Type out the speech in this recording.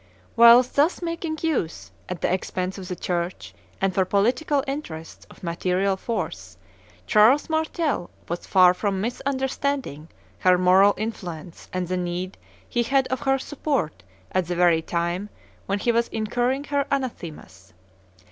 Whilst thus making use, at the expense of the Church, and for political interests, of material force, Charles Martel was far from misunderstanding her moral influence and the need he had of her support at the very time when he was incurring her anathemas.